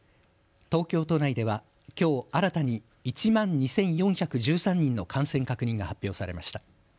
東京都内ではきょう新たに１万２４１３人の感染確認が発表されました。